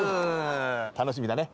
楽しみだね。